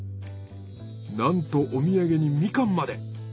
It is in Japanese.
なんとお土産にみかんまで。